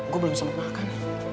gue belum selesai makan